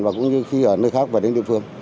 và cũng như khi ở nơi khác về đến địa phương